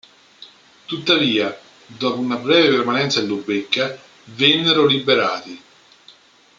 Tuttavia, dopo una breve permanenza a Lubecca vennero liberati.